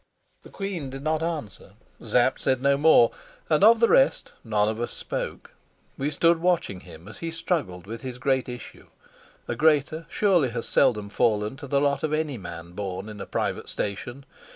The queen did not answer. Sapt said no more, and of the rest of us none spoke. We stood watching him as he struggled with his great issue; a greater surely has seldom fallen to the lot of any man born in a private station.